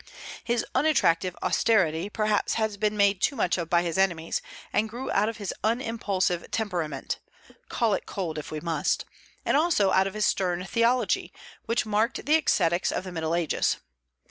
His unattractive austerity perhaps has been made too much of by his enemies, and grew out of his unimpulsive temperament, call it cold if we must, and also out of his stern theology, which marked the ascetics of the Middle Ages.